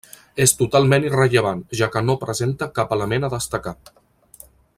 És totalment irrellevant, ja que no presenta cap element a destacar.